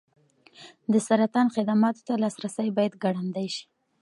د سرطان خدماتو ته لاسرسی باید ګړندی شي.